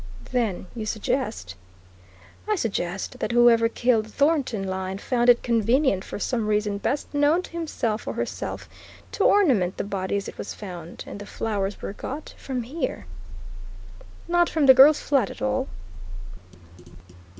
"Then you suggest " "I suggest that whoever killed Thornton Lyne found it convenient, for some reason best known to himself or herself, to ornament the body as it was found, and the flowers were got from here." "Not from the girl's flat at all?"